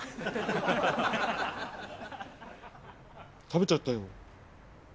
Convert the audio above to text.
食べちゃったよ。